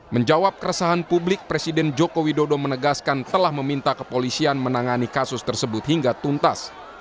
menjawab keresahan publik presiden joko widodo menegaskan telah meminta kepolisian menangani kasus tersebut hingga tuntas